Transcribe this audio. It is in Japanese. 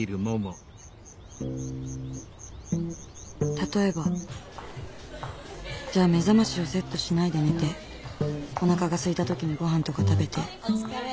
例えばじゃあ目覚ましをセットしないで寝ておなかがすいた時にごはんとか食べてお疲れ。